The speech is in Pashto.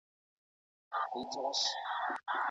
قلمي خط د پوهي د ترلاسه کولو تر ټولو ریښتینې لاره ده.